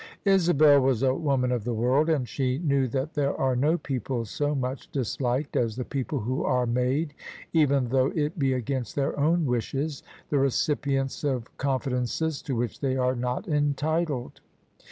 Isabel was a woman of the world; and she knew that there are no people so much disliked as the people who are made— even though it be against their own wishes — ^the recipients of confidences to which they are not entitled.